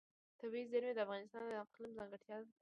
طبیعي زیرمې د افغانستان د اقلیم ځانګړتیا ده.